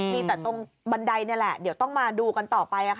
มีแต่ตรงบันไดนี่แหละเดี๋ยวต้องมาดูกันต่อไป